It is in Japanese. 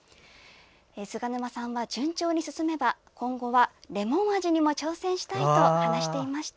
菅沼さんが順調に進めば今後はレモン味にも挑戦したいと話していました。